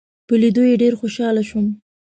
په لیدو یې ډېر خوشاله شوم.